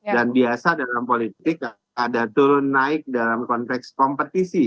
dan biasa dalam politik ada turun naik dalam konteks kompetisi